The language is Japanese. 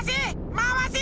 まわせ！